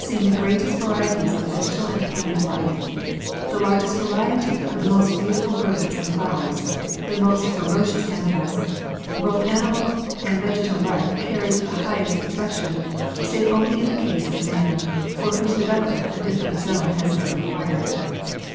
ing the greatest varieties of vegetal and animal life, the largest variety of the most beautiful birds and flowers, the most ferocious animals; both animal and vegetal life carried to the highest per fection, save only in the case of man, for whose development a different zone has been required.